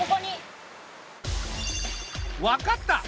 分かった！